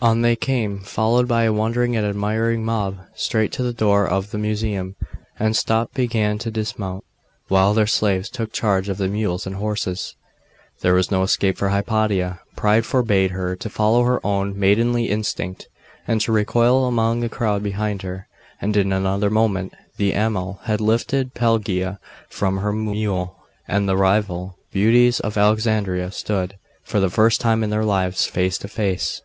On they came, followed by a wondering and admiring mob, straight to the door of the Museum, and stopping began to dismount, while their slaves took charge of the mules and horses. There was no escape for Hypatia; pride forbade her to follow her own maidenly instinct, and to recoil among the crowd behind her; and in another moment the Amal had lifted Pelagia from her mule, and the rival beauties of Alexandria stood, for the first time in their lives, face to face.